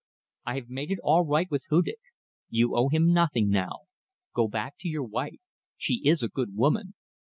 "I have made it all right with Hudig. You owe him nothing now. Go back to your wife. She is a good woman.